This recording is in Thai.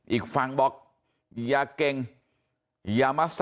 อีกฝั่งบอกอย่าเก่งอย่ามา